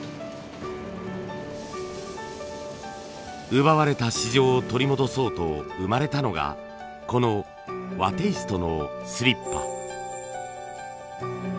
奪われた市場を取り戻そうと生まれたのがこの和テイストのスリッパ。